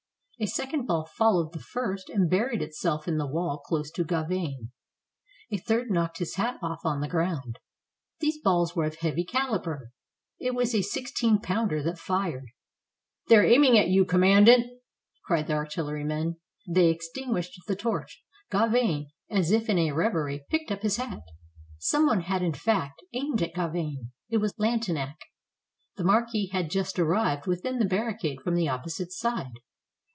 A sec ond ball followed the first and buried itself in the wall close to Gauvain. A third knocked his hat off on the ground. These balls were of a heavy caliber. It was a sixteen pounder that fired. "They are aiming at you, Commandant," cried the artillerymen. They extinguished the torch. Gauvain, as if in a reverie, picked up his hat. Some one had in fact aimed at Gauvain: it was Lantenac. The marquis had just arrived within the barricade from the opposite side.